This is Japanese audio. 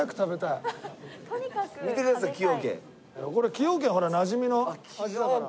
崎陽軒ほらなじみの味だから。